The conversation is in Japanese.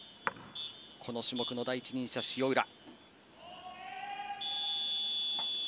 この種目の第一人者、塩浦。